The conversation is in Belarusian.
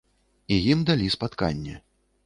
І ім далі спатканне.